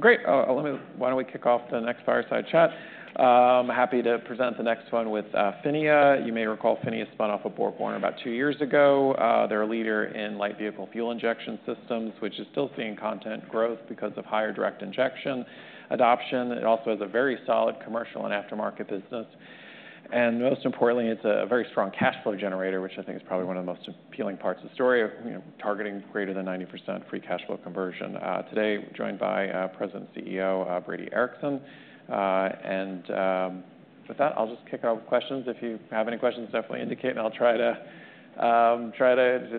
Great. Why do not we kick off the next fireside chat? I am happy to present the next one with PHINIA. You may recall PHINIA spun off of BorgWarner about two years ago. They are a leader in light vehicle fuel injection systems, which is still seeing content growth because of higher direct injection adoption. It also has a very solid commercial and aftermarket business. Most importantly, it is a very strong cash flow generator, which I think is probably one of the most appealing parts of the story, targeting greater than 90% free cash flow conversion. Today, we are joined by President and CEO Brady Ericson. With that, I will just kick it off with questions. If you have any questions, definitely indicate, and I will try to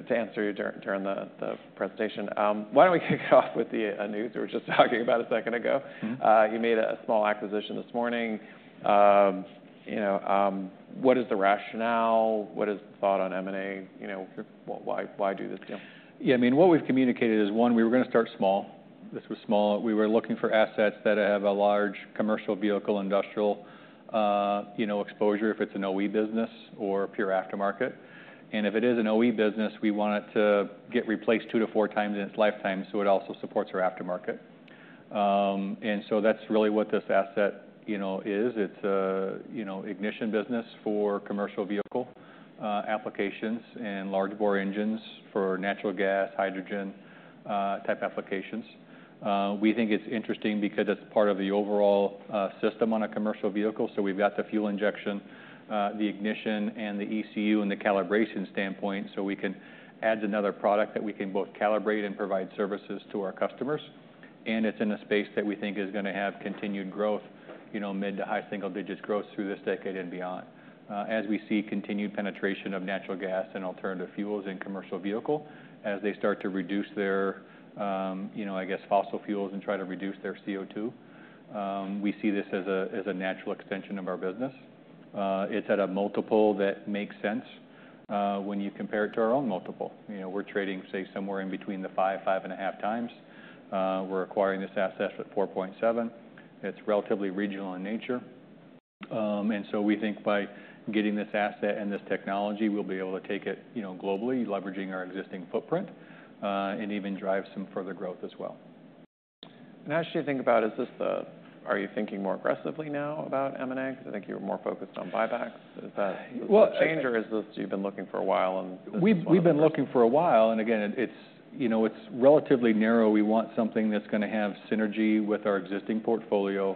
answer you during the presentation. Why do not we kick it off with the news we were just talking about a second ago? You made a small acquisition this morning. What is the rationale? What is the thought on M&A? Why do this deal? Yeah. I mean, what we've communicated is, one, we were going to start small. This was small. We were looking for assets that have a large commercial vehicle industrial exposure, if it's an OE business or pure aftermarket. If it is an OE business, we want it to get replaced two to four times in its lifetime, so it also supports our aftermarket. That's really what this asset is. It's an ignition business for commercial vehicle applications and large bore engines for natural gas, hydrogen-type applications. We think it's interesting because it's part of the overall system on a commercial vehicle. We've got the fuel injection, the ignition, and the ECU and the calibration standpoint. We can add another product that we can both calibrate and provide services to our customers. It is in a space that we think is going to have continued growth, mid to high single digits growth through this decade and beyond, as we see continued penetration of natural gas and alternative fuels in commercial vehicles as they start to reduce their, I guess, fossil fuels and try to reduce their CO2. We see this as a natural extension of our business. It is at a multiple that makes sense when you compare it to our own multiple. We are trading, say, somewhere in between the five, five and a half times. We are acquiring this asset at 4.7. It is relatively regional in nature. We think by getting this asset and this technology, we will be able to take it globally, leveraging our existing footprint, and even drive some further growth as well. I should think about, is this the, are you thinking more aggressively now about M&A? Because I think you were more focused on buybacks. Is that a change or is this you've been looking for a while? We've been looking for a while. Again, it's relatively narrow. We want something that's going to have synergy with our existing portfolio.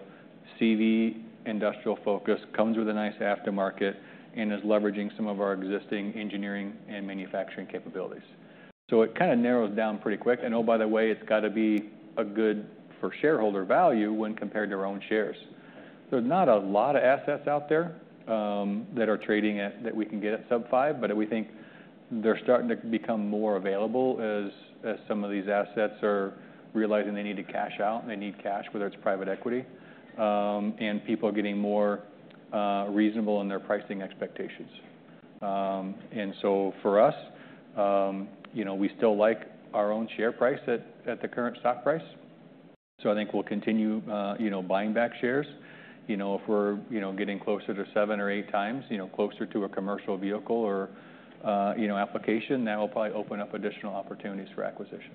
CV, industrial focus, comes with a nice aftermarket and is leveraging some of our existing engineering and manufacturing capabilities. It kind of narrows down pretty quick. Oh, by the way, it's got to be a good shareholder value when compared to our own shares. There's not a lot of assets out there that are trading that we can get at sub $5, but we think they're starting to become more available as some of these assets are realizing they need to cash out. They need cash, whether it's private equity and people getting more reasonable in their pricing expectations. For us, we still like our own share price at the current stock price. I think we'll continue buying back shares. If we're getting closer to seven or eight times, closer to a commercial vehicle or application, that will probably open up additional opportunities for acquisition.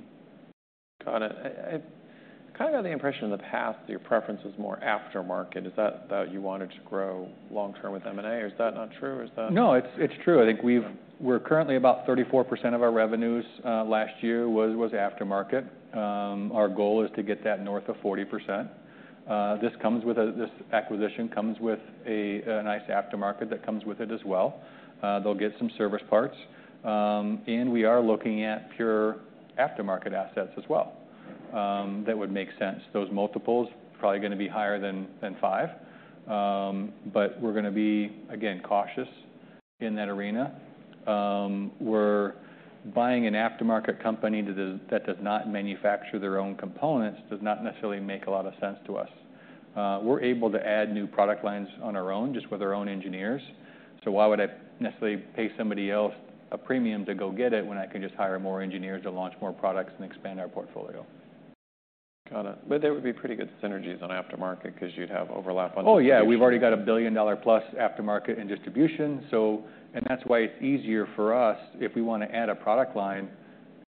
Got it. I kind of had the impression in the past that your preference was more aftermarket. Is that that you wanted to grow long-term with M&A or is that not true? Is that? No, it's true. I think we're currently about 34% of our revenues last year was aftermarket. Our goal is to get that north of 40%. This acquisition comes with a nice aftermarket that comes with it as well. They'll get some service parts. We are looking at pure aftermarket assets as well. That would make sense. Those multiples are probably going to be higher than five. We are going to be, again, cautious in that arena. We're buying an aftermarket company that does not manufacture their own components does not necessarily make a lot of sense to us. We're able to add new product lines on our own just with our own engineers. Why would I necessarily pay somebody else a premium to go get it when I can just hire more engineers to launch more products and expand our portfolio? Got it. There would be pretty good synergies on aftermarket because you'd have overlap on the. Oh, yeah. We've already got a billion-dollar-plus aftermarket and distribution. That's why it's easier for us if we want to add a product line.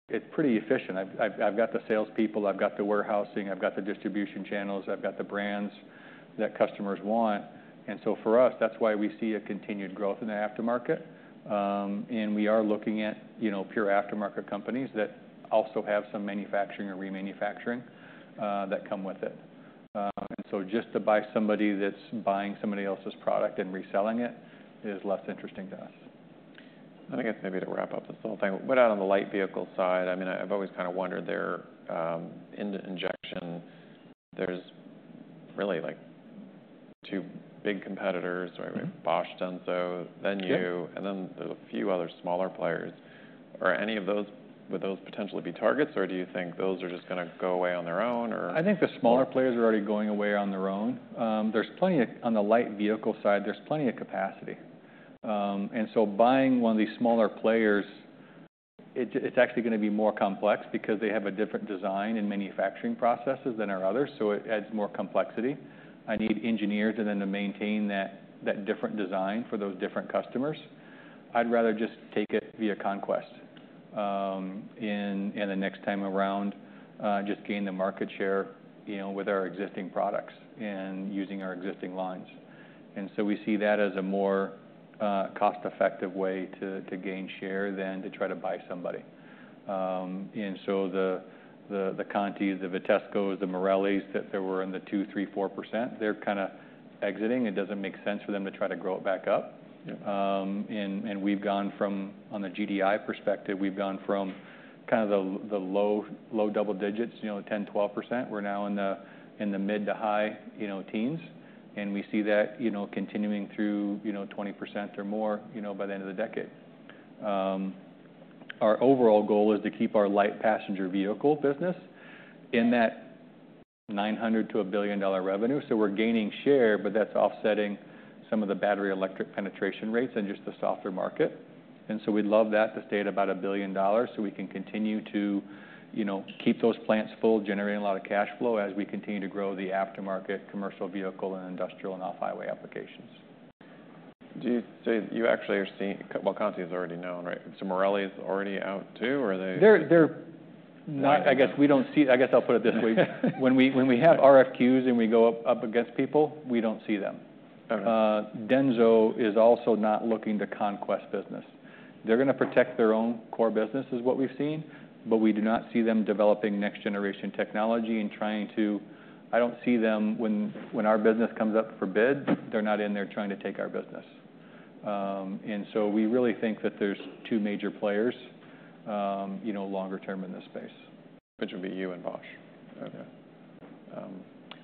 It's pretty efficient. I've got the salespeople. I've got the warehousing. I've got the distribution channels. I've got the brands that customers want. For us, that's why we see a continued growth in the aftermarket. We are looking at pure aftermarket companies that also have some manufacturing or remanufacturing that come with it. Just to buy somebody that's buying somebody else's product and reselling it is less interesting to us. I think it's maybe to wrap up this whole thing. What about on the light vehicle side? I mean, I've always kind of wondered there, in the injection, there's really two big competitors. We have Bosch, DENSO, then you, and then there's a few other smaller players. Are any of those, would those potentially be targets, or do you think those are just going to go away on their own, or? I think the smaller players are already going away on their own. On the light vehicle side, there's plenty of capacity. Buying one of these smaller players is actually going to be more complex because they have a different design and manufacturing processes than our others. It adds more complexity. I need engineers and then to maintain that different design for those different customers. I'd rather just take it via conquest and the next time around just gain the market share with our existing products and using our existing lines. We see that as a more cost-effective way to gain share than to try to buy somebody. The Continentals, the Vitescos, the Marellis that were in the 2-3-4%—they're kind of exiting. It does not make sense for them to try to grow it back up. We've gone from, on the GDI perspective, kind of the low double digits, 10-12%. We're now in the mid to high teens. We see that continuing through 20% or more by the end of the decade. Our overall goal is to keep our light passenger vehicle business in that $900 million-$1 billion revenue. We're gaining share, but that's offsetting some of the battery electric penetration rates and just the softer market. We'd love that to stay at about $1 billion so we can continue to keep those plants full, generating a lot of cash flow as we continue to grow the aftermarket, commercial vehicle, and industrial and off-highway applications. You actually are seeing, well, Continental is already known, right? So Marelli is already out too, or are they? I guess we don't see, I guess I'll put it this way. When we have RFQs and we go up against people, we don't see them. DENSO is also not looking to conquest business. They're going to protect their own core business, is what we've seen, but we do not see them developing next-generation technology and trying to, I don't see them when our business comes up for bid, they're not in there trying to take our business. We really think that there's two major players longer term in this space. Which would be you and Bosch.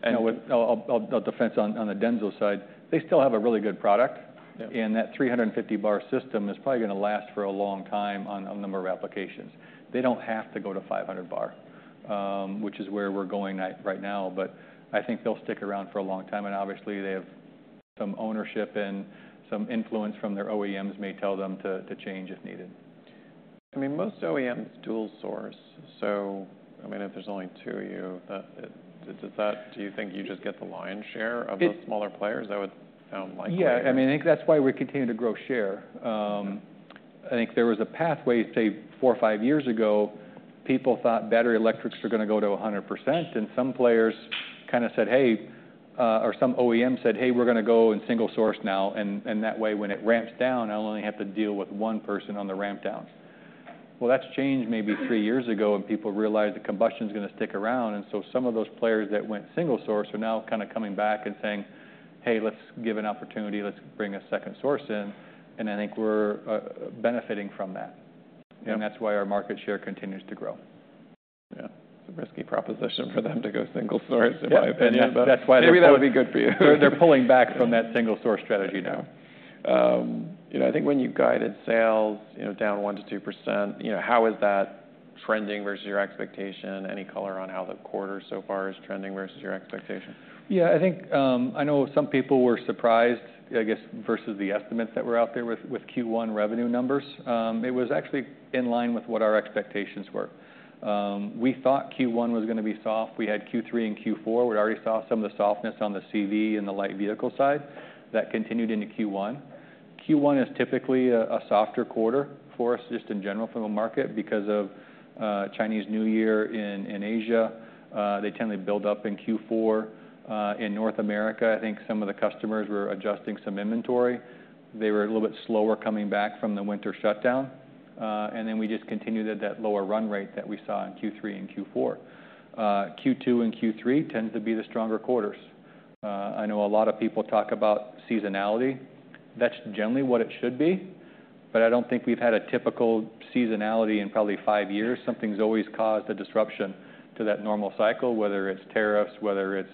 I'll defend on the DENSO side. They still have a really good product. That 350 bar system is probably going to last for a long time on a number of applications. They do not have to go to 500 bar, which is where we're going right now. I think they'll stick around for a long time. Obviously, they have some ownership and some influence from their OEMs may tell them to change if needed. I mean, most OEMs dual source. I mean, if there's only two, do you think you just get the lion's share of the smaller players? That would sound likely. Yeah. I mean, I think that's why we're continuing to grow share. I think there was a pathway, say, four or five years ago, people thought battery electrics were going to go to 100%. Some players kind of said, "Hey," or some OEM said, "Hey, we're going to go and single source now." That way, when it ramps down, I'll only have to deal with one person on the ramp down. That changed maybe three years ago when people realized that combustion is going to stick around. Some of those players that went single source are now kind of coming back and saying, "Hey, let's give an opportunity. Let's bring a second source in." I think we're benefiting from that. That's why our market share continues to grow. Yeah. It's a risky proposition for them to go single source, in my opinion. That's why they're pulling back from that single source strategy now. I think when you guided sales down 1-2%, how is that trending versus your expectation? Any color on how the quarter so far is trending versus your expectation? Yeah. I know some people were surprised, I guess, versus the estimates that were out there with Q1 revenue numbers. It was actually in line with what our expectations were. We thought Q1 was going to be soft. We had Q3 and Q4. We already saw some of the softness on the CV and the light vehicle side that continued into Q1. Q1 is typically a softer quarter for us just in general from the market because of Chinese New Year in Asia. They tend to build up in Q4. In North America, I think some of the customers were adjusting some inventory. They were a little bit slower coming back from the winter shutdown. We just continued at that lower run rate that we saw in Q3 and Q4. Q2 and Q3 tend to be the stronger quarters. I know a lot of people talk about seasonality. That's generally what it should be. I don't think we've had a typical seasonality in probably five years. Something's always caused a disruption to that normal cycle, whether it's tariffs, whether it's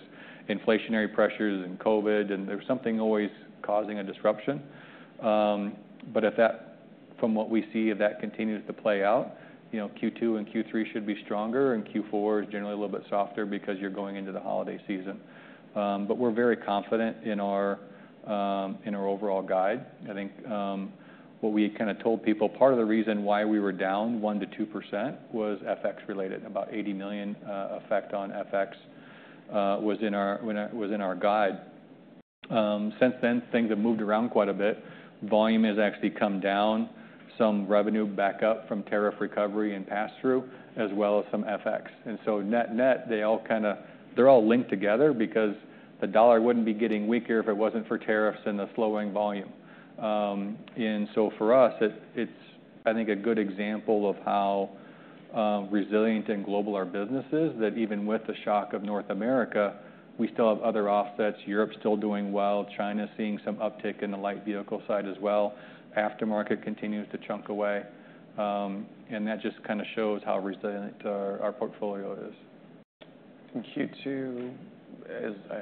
inflationary pressures and COVID. There's something always causing a disruption. From what we see, if that continues to play out, Q2 and Q3 should be stronger, and Q4 is generally a little bit softer because you're going into the holiday season. We're very confident in our overall guide. I think what we kind of told people, part of the reason why we were down 1-2% was FX-related. About $80 million effect on FX was in our guide. Since then, things have moved around quite a bit. Volume has actually come down, some revenue back up from tariff recovery and pass-through, as well as some FX. Net net, they all kind of they're all linked together because the dollar would not be getting weaker if it was not for tariffs and the slowing volume. For us, it is, I think, a good example of how resilient and global our business is, that even with the shock of North America, we still have other offsets. Europe is still doing well. China is seeing some uptick in the light vehicle side as well. Aftermarket continues to chunk away. That just kind of shows how resilient our portfolio is. In Q2,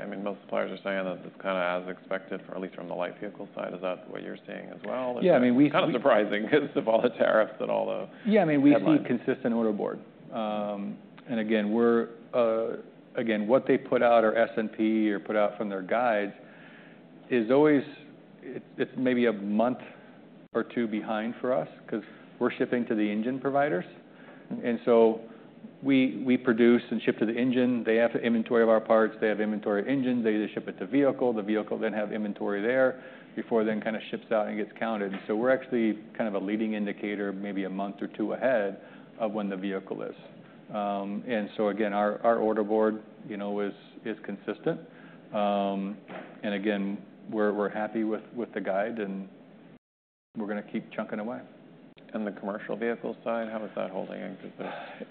I mean, most suppliers are saying that it's kind of as expected, at least on the light vehicle side. Is that what you're seeing as well? Yeah. I mean, we see. It's kind of surprising because of all the tariffs and all the. Yeah. I mean, we see consistent order board. Again, what they put out or S&P put out from their guides is always maybe a month or two behind for us because we're shipping to the engine providers. We produce and ship to the engine. They have inventory of our parts. They have inventory of engines. They either ship it to vehicle. The vehicle then has inventory there before it kind of ships out and gets counted. We're actually kind of a leading indicator, maybe a month or two ahead of when the vehicle is. Again, our order board is consistent. We're happy with the guide, and we're going to keep chunking away. The commercial vehicle side, how is that holding?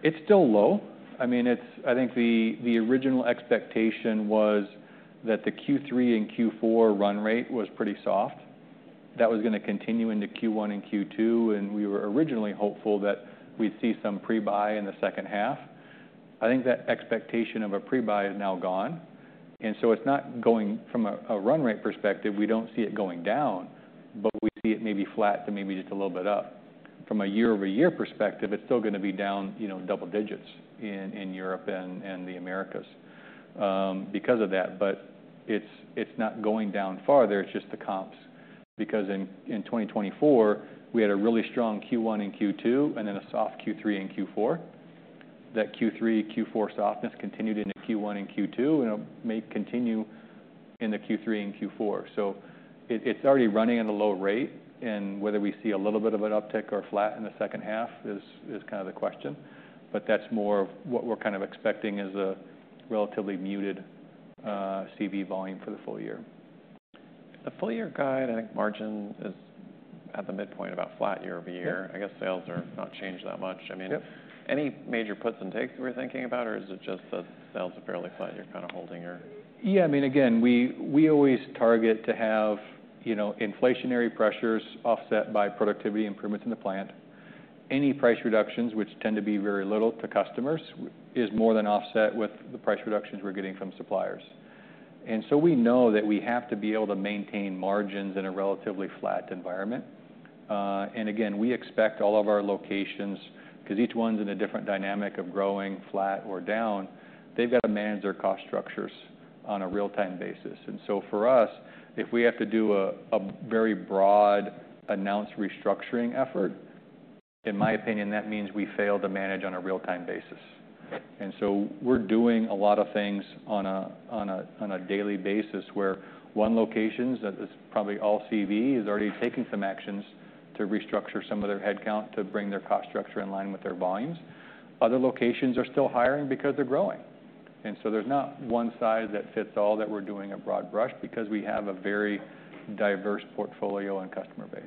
It's still low. I mean, I think the original expectation was that the Q3 and Q4 run rate was pretty soft. That was going to continue into Q1 and Q2. We were originally hopeful that we'd see some pre-buy in the second half. I think that expectation of a pre-buy is now gone. It's not going from a run rate perspective. We don't see it going down, but we see it maybe flat to maybe just a little bit up. From a year-over-year perspective, it's still going to be down double digits in Europe and the Americas because of that. It's not going down farther. It's just the comps because in 2024, we had a really strong Q1 and Q2 and then a soft Q3 and Q4. That Q3, Q4 softness continued into Q1 and Q2 and may continue in the Q3 and Q4. It is already running at a low rate. Whether we see a little bit of an uptick or flat in the second half is kind of the question. That is more of what we are kind of expecting, a relatively muted CV volume for the full year. The full year guide, I think margin is at the midpoint, about flat year over year. I guess sales are not changed that much. I mean, any major puts and takes that we're thinking about, or is it just that sales are fairly flat? You're kind of holding your. Yeah. I mean, again, we always target to have inflationary pressures offset by productivity improvements in the plant. Any price reductions, which tend to be very little to customers, are more than offset with the price reductions we are getting from suppliers. We know that we have to be able to maintain margins in a relatively flat environment. Again, we expect all of our locations, because each one is in a different dynamic of growing, flat, or down, they have got to manage their cost structures on a real-time basis. For us, if we have to do a very broad announced restructuring effort, in my opinion, that means we fail to manage on a real-time basis. We are doing a lot of things on a daily basis where one location that is probably all CV is already taking some actions to restructure some of their headcount to bring their cost structure in line with their volumes. Other locations are still hiring because they are growing. There is not one size that fits all that we are doing at broad brush because we have a very diverse portfolio and customer base.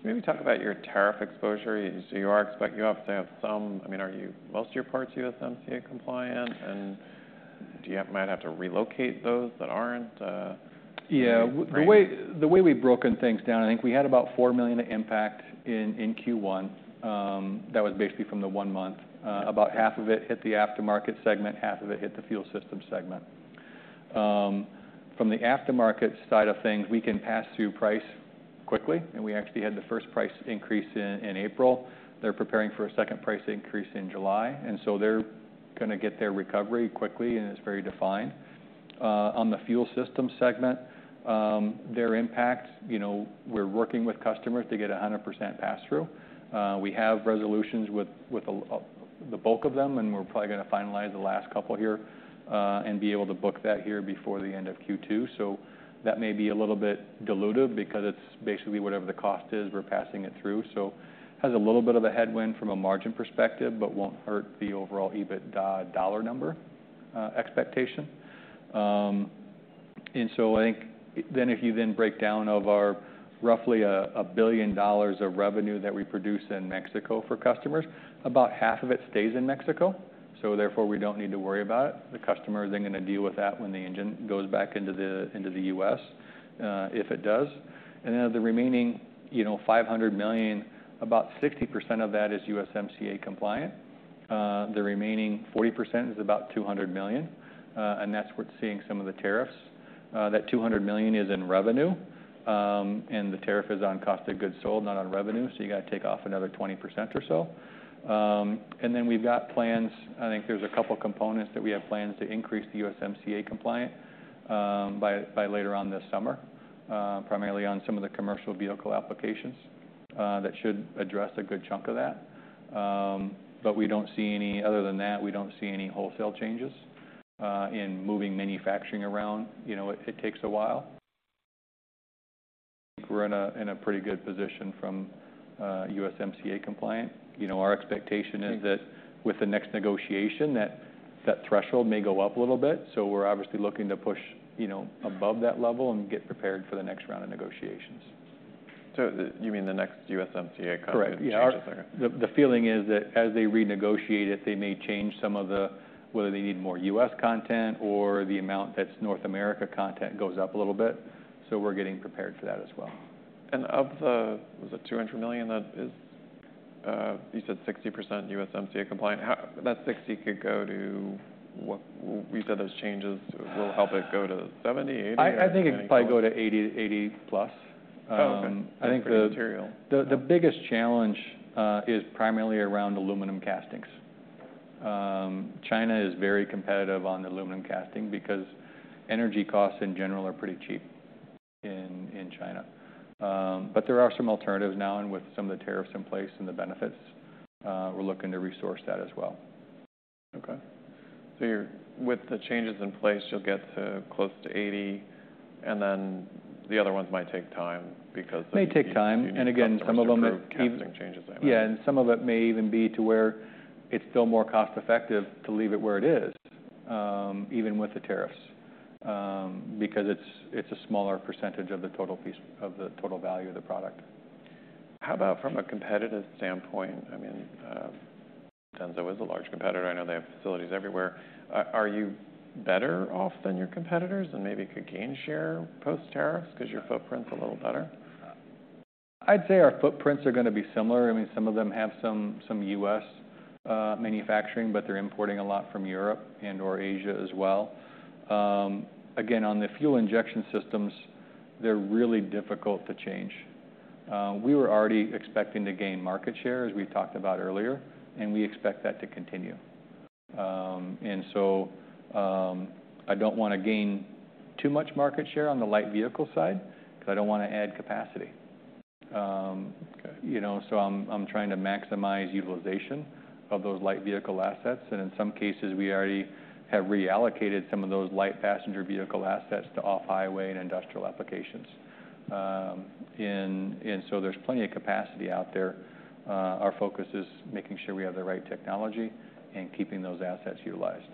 Can you maybe talk about your tariff exposure? You obviously have some, I mean, are most of your parts USMCA compliant? And do you might have to relocate those that aren't? Yeah. The way we've broken things down, I think we had about $4 million of impact in Q1. That was basically from the one month. About half of it hit the aftermarket segment. Half of it hit the fuel system segment. From the aftermarket side of things, we can pass through price quickly. We actually had the first price increase in April. They're preparing for a second price increase in July. They're going to get their recovery quickly, and it's very defined. On the fuel system segment, their impact, we're working with customers to get 100% pass-through. We have resolutions with the bulk of them, and we're probably going to finalize the last couple here and be able to book that here before the end of Q2. That may be a little bit diluted because it's basically whatever the cost is, we're passing it through. It has a little bit of a headwind from a margin perspective, but won't hurt the overall EBIT dollar number expectation. I think then if you then break down of our roughly $1 billion of revenue that we produce in Mexico for customers, about half of it stays in Mexico. Therefore, we don't need to worry about it. The customers, they're going to deal with that when the engine goes back into the U.S., if it does. Of the remaining $500 million, about 60% of that is USMCA compliant. The remaining 40% is about $200 million. That's what's seeing some of the tariffs. That $200 million is in revenue, and the tariff is on cost of goods sold, not on revenue. You got to take off another 20% or so. We've got plans. I think there's a couple of components that we have plans to increase the USMCA compliant by later on this summer, primarily on some of the commercial vehicle applications that should address a good chunk of that. Other than that, we don't see any wholesale changes in moving manufacturing around. It takes a while. We're in a pretty good position from USMCA compliant. Our expectation is that with the next negotiation, that threshold may go up a little bit. We're obviously looking to push above that level and get prepared for the next round of negotiations. You mean the next USMCA contract. Correct. Change in a second. The feeling is that as they renegotiate it, they may change some of whether they need more US content or the amount that's North America content goes up a little bit. So we're getting prepared for that as well. Of the, was it $200 million, that is, you said, 60% USMCA compliant. That 60 could go to, you said, those changes will help it go to 70-80. I think it could probably go to 80+. Oh, okay. I think the. For the material. The biggest challenge is primarily around aluminum castings. China is very competitive on the aluminum casting because energy costs in general are pretty cheap in China. There are some alternatives now. With some of the tariffs in place and the benefits, we're looking to resource that as well. Okay. With the changes in place, you'll get to close to 80. The other ones might take time because the. May take time. Again, some of them may. Because there's some drastic changes. Yeah. Some of it may even be to where it's still more cost-effective to leave it where it is, even with the tariffs, because it's a smaller percentage of the total value of the product. How about from a competitive standpoint? I mean, DENSO is a large competitor. I know they have facilities everywhere. Are you better off than your competitors and maybe could gain share post-tariffs because your footprint's a little better? I'd say our footprints are going to be similar. I mean, some of them have some U.S. manufacturing, but they're importing a lot from Europe and/or Asia as well. Again, on the fuel injection systems, they're really difficult to change. We were already expecting to gain market share, as we talked about earlier, and we expect that to continue. I don't want to gain too much market share on the light vehicle side because I don't want to add capacity. I'm trying to maximize utilization of those light vehicle assets. In some cases, we already have reallocated some of those light passenger vehicle assets to off-highway and industrial applications. There's plenty of capacity out there. Our focus is making sure we have the right technology and keeping those assets utilized.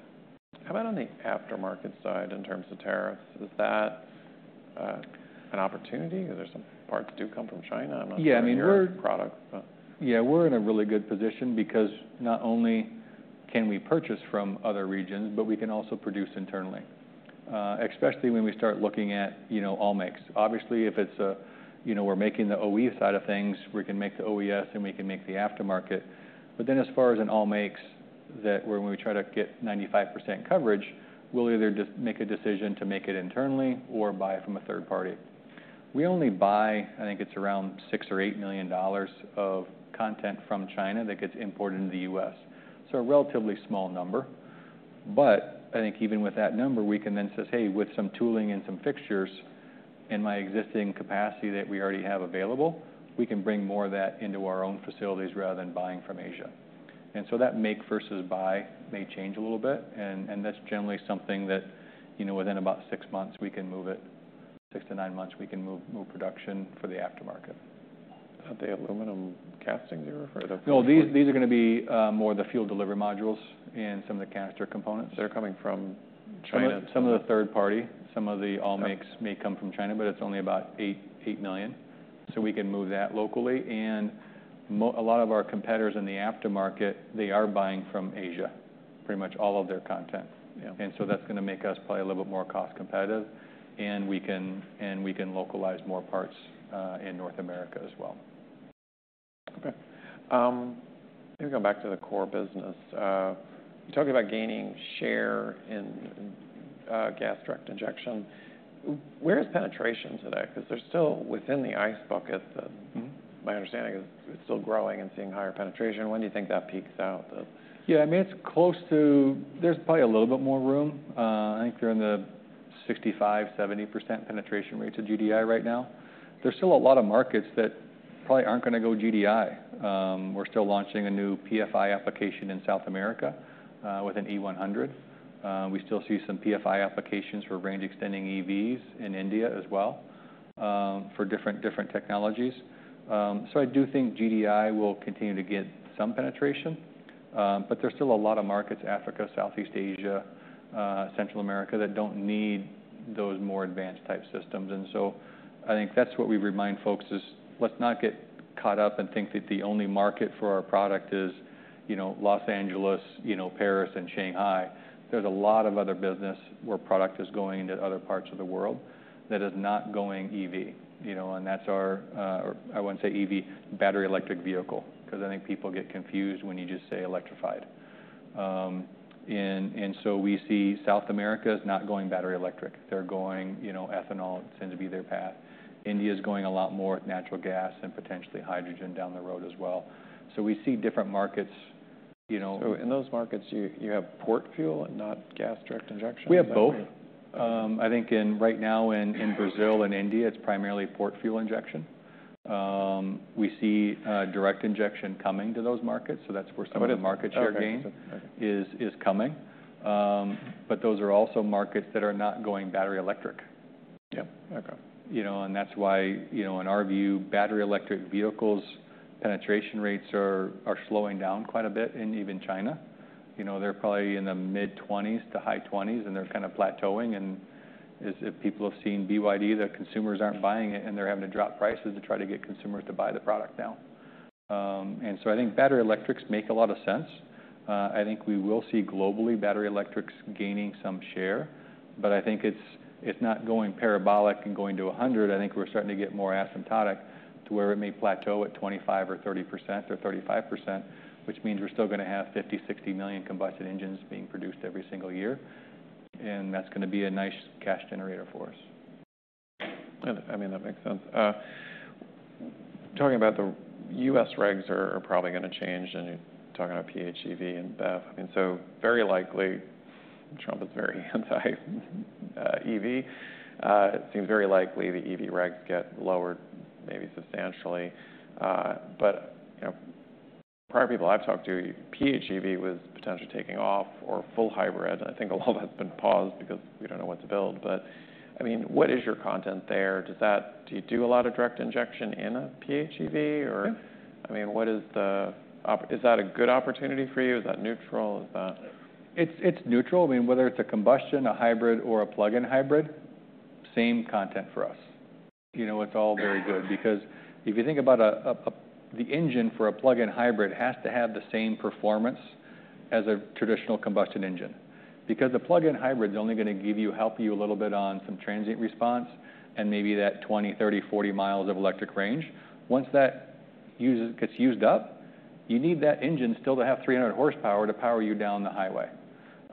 How about on the aftermarket side in terms of tariffs? Is that an opportunity? Are there some parts that do come from China? I'm not sure if your product. Yeah. I mean, we're in a really good position because not only can we purchase from other regions, but we can also produce internally, especially when we start looking at all makes. Obviously, if it's a we're making the OE side of things, we can make the OES, and we can make the aftermarket. As far as an all makes, where we try to get 95% coverage, we'll either just make a decision to make it internally or buy from a third party. We only buy, I think it's around $6 million or $8 million of content from China that gets imported into the US. A relatively small number. I think even with that number, we can then say, "Hey, with some tooling and some fixtures in my existing capacity that we already have available, we can bring more of that into our own facilities rather than buying from Asia." That make versus buy may change a little bit. That is generally something that within about six months, we can move it. Six to nine months, we can move production for the aftermarket. Are they aluminum castings you refer to? No, these are going to be more the fuel delivery modules and some of the canister components. They're coming from China? Some of the third party. Some of the all makes may come from China, but it's only about 8 million. We can move that locally. A lot of our competitors in the aftermarket, they are buying from Asia, pretty much all of their content. That is going to make us probably a little bit more cost competitive. We can localize more parts in North America as well. Okay. Let me go back to the core business. You talked about gaining share in gas direct injection. Where is penetration today? Because they're still within the ICE bucket. My understanding is it's still growing and seeing higher penetration. When do you think that peaks out? Yeah. I mean, it's close to there's probably a little bit more room. I think we're in the 65-70% penetration rate to GDI right now. There's still a lot of markets that probably aren't going to go GDI. We're still launching a new PFI application in South America with an E100. We still see some PFI applications for range-extending EVs in India as well for different technologies. I do think GDI will continue to get some penetration. There's still a lot of markets, Africa, Southeast Asia, Central America, that don't need those more advanced type systems. I think that's what we remind folks is let's not get caught up and think that the only market for our product is Los Angeles, Paris, and Shanghai. There's a lot of other business where product is going into other parts of the world that is not going EV. That's our, I won't say EV, battery electric vehicle, because I think people get confused when you just say electrified. We see South America is not going battery electric. They're going ethanol tends to be their path. India is going a lot more with natural gas and potentially hydrogen down the road as well. We see different markets. In those markets, you have port fuel and not gas direct injection? We have both. I think right now in Brazil and India, it's primarily port fuel injection. We see direct injection coming to those markets. That's where some of the market share gain is coming. Those are also markets that are not going battery electric. Yeah. Okay. That is why in our view, battery electric vehicles' penetration rates are slowing down quite a bit in even China. They are probably in the mid-20s to high 20s, and they are kind of plateauing. If people have seen BYD, the consumers are not buying it, and they are having to drop prices to try to get consumers to buy the product now. I think battery electrics make a lot of sense. I think we will see globally battery electrics gaining some share. I think it is not going parabolic and going to 100. I think we are starting to get more asymptotic to where it may plateau at 25% or 30% or 35%, which means we are still going to have 50-60 million combustion engines being produced every single year. That is going to be a nice cash generator for us. I mean, that makes sense. Talking about the U.S. regs are probably going to change, and you're talking about PHEV and BEV. I mean, so very likely Trump is very anti-EV. It seems very likely the EV regs get lowered maybe substantially. Prior people I've talked to, PHEV was potentially taking off or full hybrid. I think a lot of that's been paused because we don't know what to build. I mean, what is your content there? Do you do a lot of direct injection in a PHEV? Or, I mean, is that a good opportunity for you? Is that neutral? Is that? It's neutral. I mean, whether it's a combustion, a hybrid, or a plug-in hybrid, same content for us. It's all very good because if you think about the engine for a plug-in hybrid has to have the same performance as a traditional combustion engine. Because a plug-in hybrid is only going to help you a little bit on some transient response and maybe that 20, 30, 40 mi of electric range. Once that gets used up, you need that engine still to have 300 horsepower to power you down the highway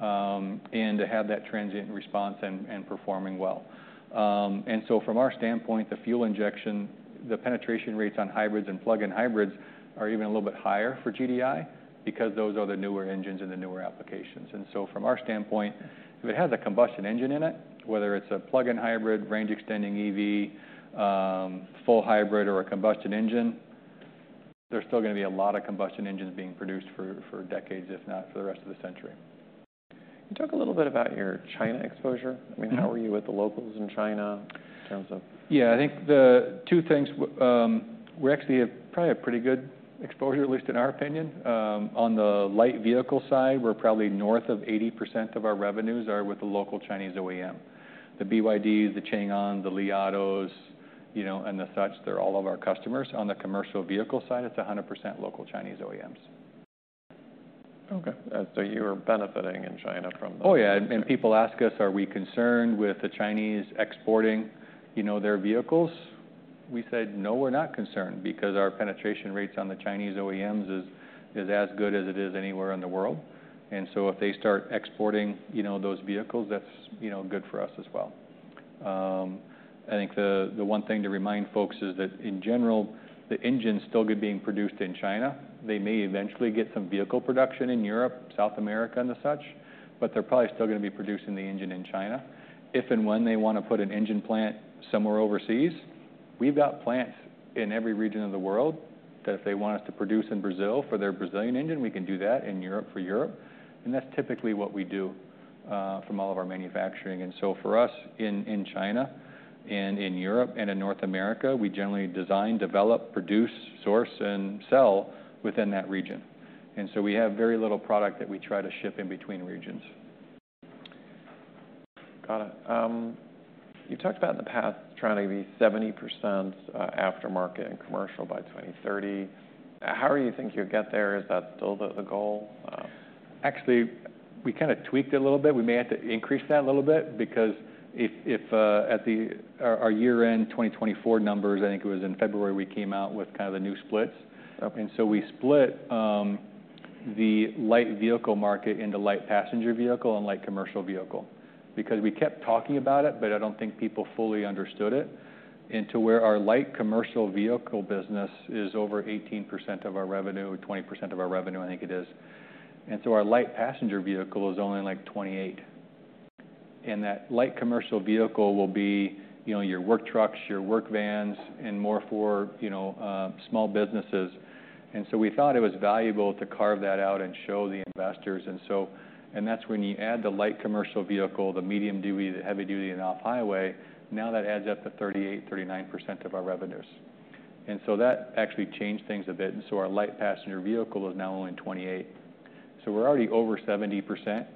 and to have that transient response and performing well. From our standpoint, the fuel injection, the penetration rates on hybrids and plug-in hybrids are even a little bit higher for GDI because those are the newer engines and the newer applications. From our standpoint, if it has a combustion engine in it, whether it's a plug-in hybrid, range-extending EV, full hybrid, or a combustion engine, there's still going to be a lot of combustion engines being produced for decades, if not for the rest of the century. Can you talk a little bit about your China exposure? I mean, how are you with the locals in China in terms of? Yeah. I think the two things, we actually have probably a pretty good exposure, at least in our opinion. On the light vehicle side, we're probably north of 80% of our revenues are with the local Chinese OEM. The BYDs, the Changan, the Li Auto, and the such, they're all of our customers. On the commercial vehicle side, it's 100% local Chinese OEMs. Okay. So you are benefiting in China from the. Oh, yeah. People ask us, are we concerned with the Chinese exporting their vehicles? We said, "No, we're not concerned because our penetration rates on the Chinese OEMs is as good as it is anywhere in the world." If they start exporting those vehicles, that's good for us as well. I think the one thing to remind folks is that in general, the engine's still being produced in China. They may eventually get some vehicle production in Europe, South America, and the such. They are probably still going to be producing the engine in China. If and when they want to put an engine plant somewhere overseas, we've got plants in every region of the world that if they want us to produce in Brazil for their Brazilian engine, we can do that in Europe for Europe. That is typically what we do from all of our manufacturing. For us in China, in Europe, and in North America, we generally design, develop, produce, source, and sell within that region. We have very little product that we try to ship in between regions. Got it. You talked about in the past trying to be 70% aftermarket and commercial by 2030. How do you think you'll get there? Is that still the goal? Actually, we kind of tweaked it a little bit. We may have to increase that a little bit because at our year-end 2024 numbers, I think it was in February we came out with kind of the new splits. We split the light vehicle market into light passenger vehicle and light commercial vehicle because we kept talking about it, but I do not think people fully understood it into where our light commercial vehicle business is over 18% of our revenue, 20% of our revenue, I think it is. Our light passenger vehicle is only like 28%. That light commercial vehicle will be your work trucks, your work vans, and more for small businesses. We thought it was valuable to carve that out and show the investors. That is when you add the light commercial vehicle, the medium duty, the heavy duty, and off-highway, now that adds up to 38-39% of our revenues. That actually changed things a bit. Our light passenger vehicle is now only 28%. We are already over 70%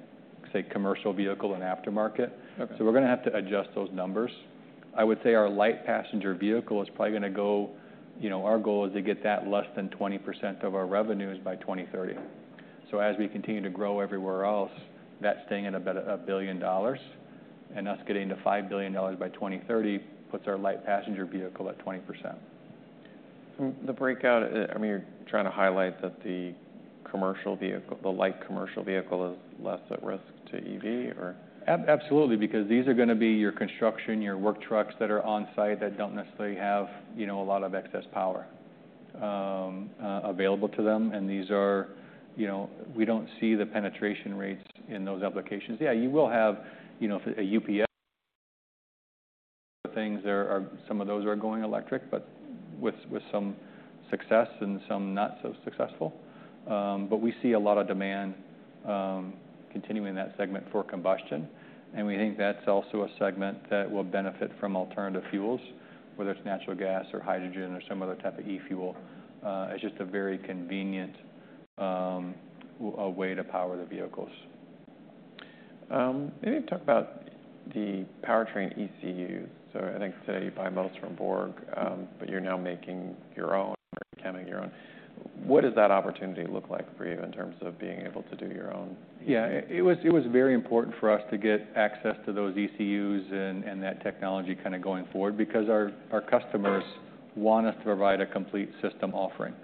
commercial vehicle and aftermarket. We are going to have to adjust those numbers. I would say our light passenger vehicle is probably going to go, our goal is to get that less than 20% of our revenues by 2030. As we continue to grow everywhere else, that is staying at about $1 billion. Us getting to $5 billion by 2030 puts our light passenger vehicle at 20%. The breakout, I mean, you're trying to highlight that the commercial vehicle, the light commercial vehicle is less at risk to EV or? Absolutely, because these are going to be your construction, your work trucks that are on site that do not necessarily have a lot of excess power available to them. We do not see the penetration rates in those applications. You will have a UPS for things. Some of those are going electric, with some success and some not so successful. We see a lot of demand continuing in that segment for combustion. We think that is also a segment that will benefit from alternative fuels, whether it is natural gas or hydrogen or some other type of e-fuel. It is just a very convenient way to power the vehicles. Maybe talk about the powertrain ECUs. I think today you buy most from BorgWarner, but you're now making your own or becoming your own. What does that opportunity look like for you in terms of being able to do your own? Yeah. It was very important for us to get access to those ECUs and that technology kind of going forward because our customers want us to provide a complete system offering.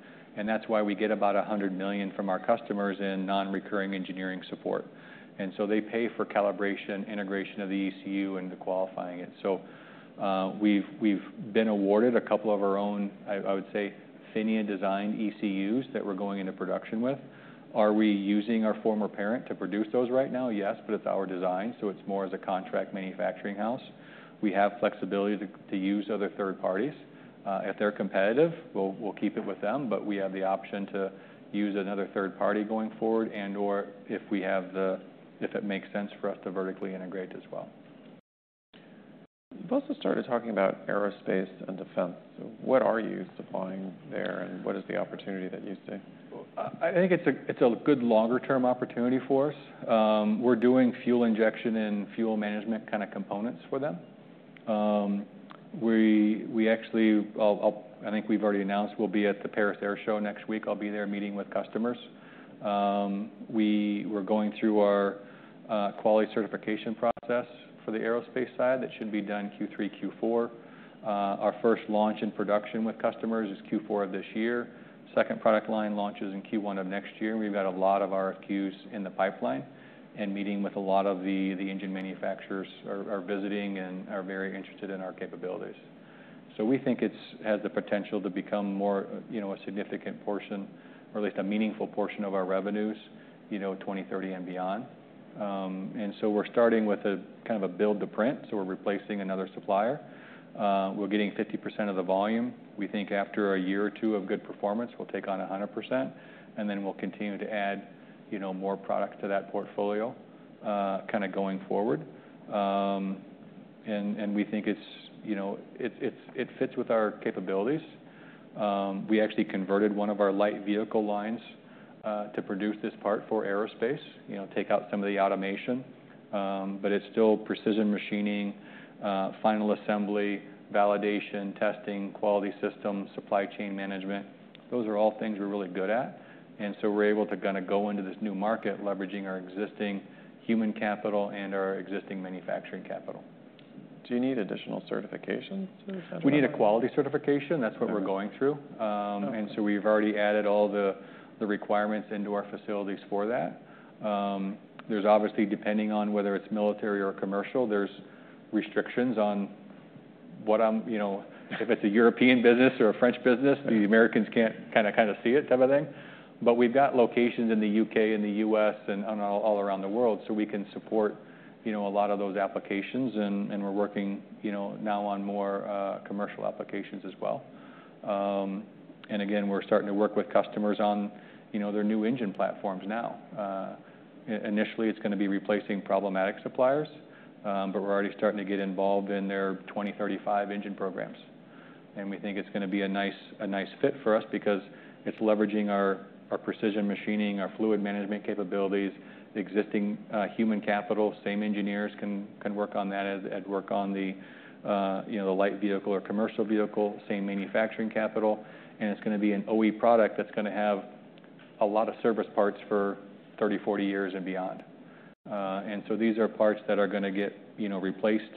That is why we get about $100 million from our customers in non-recurring engineering support. They pay for calibration, integration of the ECU, and qualifying it. We have been awarded a couple of our own, I would say, PHINIA-designed ECUs that we are going into production with. Are we using our former parent to produce those right now? Yes, but it is our design. It is more as a contract manufacturing house. We have flexibility to use other third parties. If they are competitive, we will keep it with them. We have the option to use another third party going forward and/or if it makes sense for us to vertically integrate as well. You've also started talking about aerospace and defense. What are you supplying there and what is the opportunity that you see? I think it's a good longer-term opportunity for us. We're doing fuel injection and fuel management kind of components for them. I think we've already announced we'll be at the Paris Air Show next week. I'll be there meeting with customers. We're going through our quality certification process for the aerospace side. That should be done Q3, Q4. Our first launch in production with customers is Q4 of this year. Second product line launches in Q1 of next year. We've got a lot of RFQs in the pipeline and meeting with a lot of the engine manufacturers are visiting and are very interested in our capabilities. We think it has the potential to become a significant portion or at least a meaningful portion of our revenues 2030 and beyond. We're starting with a kind of a build-to-print. We're replacing another supplier. We're getting 50% of the volume. We think after a year or two of good performance, we'll take on 100%. We will continue to add more product to that portfolio kind of going forward. We think it fits with our capabilities. We actually converted one of our light vehicle lines to produce this part for aerospace, take out some of the automation. It is still precision machining, final assembly, validation, testing, quality system, supply chain management. Those are all things we're really good at. We are able to kind of go into this new market leveraging our existing human capital and our existing manufacturing capital. Do you need additional certifications? We need a quality certification. That's what we're going through. We've already added all the requirements into our facilities for that. Obviously, depending on whether it's military or commercial, there are restrictions on if it's a European business or a French business, the Americans can't kind of see it type of thing. We've got locations in the U.K., in the U.S., and all around the world. We can support a lot of those applications. We're working now on more commercial applications as well. We're starting to work with customers on their new engine platforms now. Initially, it's going to be replacing problematic suppliers, but we're already starting to get involved in their 2035 engine programs. We think it's going to be a nice fit for us because it's leveraging our precision machining, our fluid management capabilities, existing human capital. Same engineers can work on that and work on the light vehicle or commercial vehicle, same manufacturing capital. It is going to be an OE product that is going to have a lot of service parts for 30, 40 years and beyond. These are parts that are going to get replaced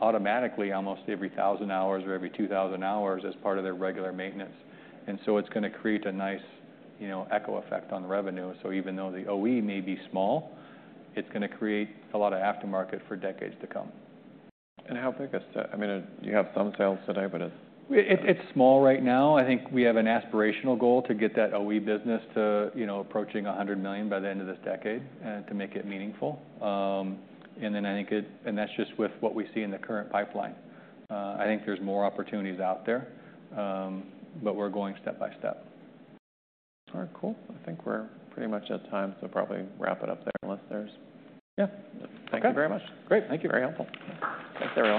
automatically almost every 1,000 hours or every 2,000 hours as part of their regular maintenance. It is going to create a nice echo effect on revenue. Even though the OE may be small, it is going to create a lot of aftermarket for decades to come. How big is that? I mean, you have some sales today, but it's. It's small right now. I think we have an aspirational goal to get that OE business to approaching $100 million by the end of this decade and to make it meaningful. I think there's more opportunities out there, but we're going step by step. All right. Cool. I think we're pretty much at time. So probably wrap it up there unless there's. Yeah. Thank you very much. Great. Thank you. Very helpful. Thanks very much.